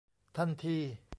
ทันที